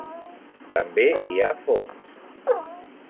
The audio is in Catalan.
També hi ha fongs.